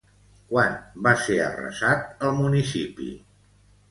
Quan va ser arrasat el municipi?